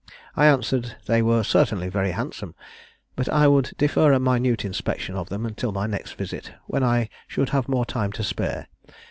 I answered they were certainly very handsome, but I would defer a minute inspection of them till my next visit, when I should have more time to spare.